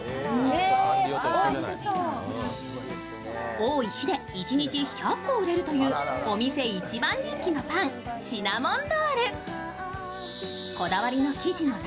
多い日で１日１００個売れるというお店一番人気のパンシナモンロール。